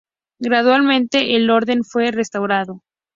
Gradualmente, el orden fue restaurado.